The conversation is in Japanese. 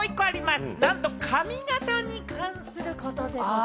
なんと髪形に関すること。